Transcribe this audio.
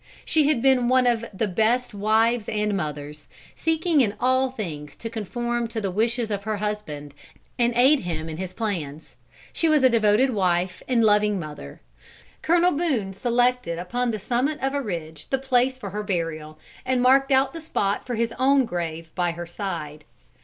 She had been one of the best of wives and mothers, seeking in all things to conform to the wishes of her husband, and aid him in his plans. She was a devoted wife and a loving mother. Colonel Boone selected upon the summit of a ridge the place for her burial, and marked out the spot for his own grave by her side.